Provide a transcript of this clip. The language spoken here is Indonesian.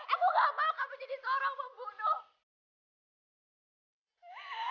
aku gak mau kamu jadi seorang pembunuh